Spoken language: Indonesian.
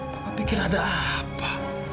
papa pikir ada apa